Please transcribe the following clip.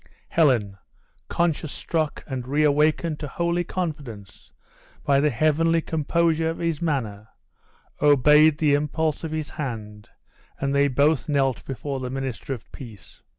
Helen, conscience struck and re awakened to holy confidence by the heavenly composure of his manner, obeyed the impulse of his hand, and they both knelt before the minister of peace.